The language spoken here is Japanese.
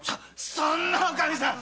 そんなおかみさん